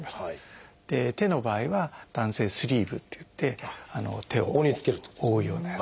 手の場合は弾性スリーブっていって手を覆うようなやつ。